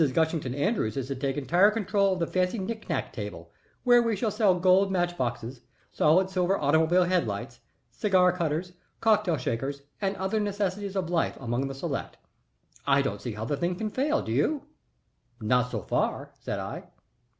Gushington Andrews is to take entire control of the fancy knick knack table, where we shall sell gold match boxes, solid silver automobile head lights, cigar cutters, cocktail shakers, and other necessities of life among the select. I don't see how the thing can fail, do you?" "Not so far," said I.